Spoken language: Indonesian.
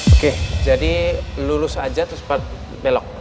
oke jadi lulus aja terus belok